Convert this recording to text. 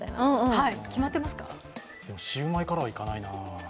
シウマイからはいかないな。